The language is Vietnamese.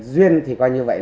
duyên thì coi như vậy